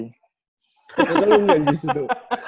itu lu enggak sih sudo